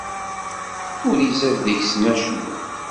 Ur izad deg-sen acemma.